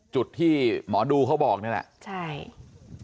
จุดที่หมอดูเขาบอกนี่แหละใช่